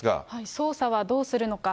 捜査はどうするのか。